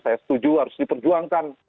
saya setuju harus diperjuangkan